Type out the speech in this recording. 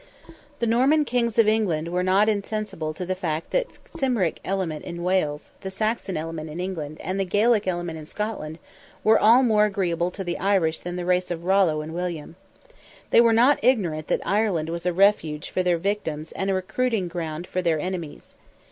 The Norman Kings of England were not insensible to the fact that the Cymric element in Wales, the Saxon element in England, and the Gaelic element in Scotland, were all more agreeable to the Irish than the race of Rollo and William. They were not ignorant that Ireland was a refuge for their victims and a recruiting ground for their enemies.